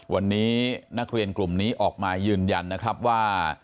วันนี้นักเรียนกลุ่มนี้ออกมายืนยันนะครับว่า